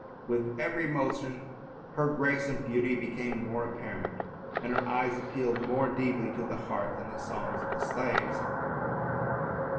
With every motion her grace and beauty became more apparent, and her eyes ap pealed more deeply to the heart than the songs of the slaves.